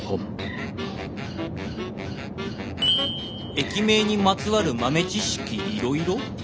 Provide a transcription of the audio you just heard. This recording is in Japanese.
「駅名にまつわる豆知識いろいろ」？